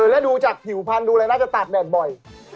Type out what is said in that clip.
แล้วดูจากผิวพันธุ์ดูอะไรน่าจะตากแดดบ่อย